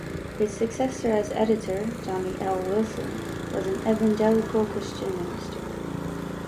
His successor as editor, Johnny L. Wilson, was an evangelical Christian minister.